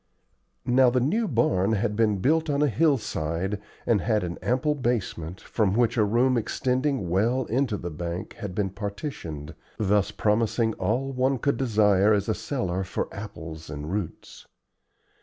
Now the new barn had been built on a hillside, and had an ample basement, from which a room extending well into the bank had been partitioned, thus promising all one could desire as a cellar for apples and roots.